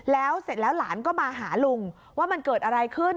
แล้วเสร็จแล้วหลานก็มาหาลุงว่ามันเกิดอะไรขึ้น